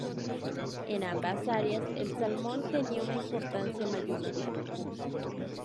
En ambas áreas el salmón tenía una importancia mayúscula.